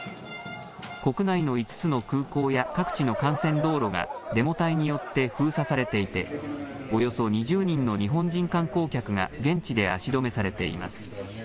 国内の５つの空港や各地の幹線道路が、デモ隊によって封鎖されていて、およそ２０人の日本人観光客が現地で足止めされています。